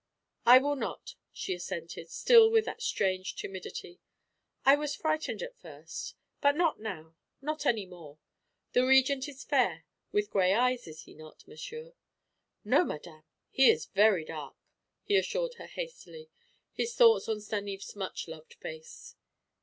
"I will not," she assented, still with that strange timidity. "I was frightened at first, but not now, not any more. The Regent is fair, with gray eyes, is he not, monsieur?" "No, madame; he is very dark," he assured her hastily, his thoughts on Stanief's much loved face.